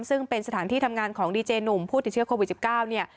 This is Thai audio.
ซึ่งเป็นสถานที่ทำงานของดีเจหนุ่มผู้ติดเชื้อโควิด๑๙เนี่ย